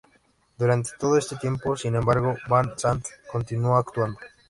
Durante todo este tiempo, sin embargo, Van Zandt continuó actuando.